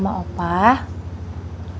mereka mungkin pol drugs